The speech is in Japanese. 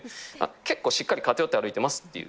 結構しっかり偏って歩いてますっていう。